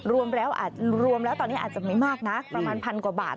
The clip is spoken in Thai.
รวมแล้วตอนนี้อาจจะไม่มากนะประมาณพันกว่าบาท